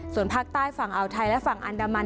ส่วนภาคใต้ฝั่งอ่าวไทยและฝั่งอันดามัน